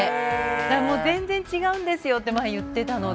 だからもう全然違うんですよって前言ってたので。